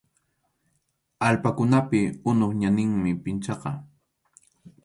Allpakunapi unup ñanninmi pinchaqa.